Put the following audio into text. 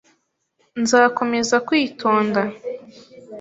Nzakomeza kwitonda.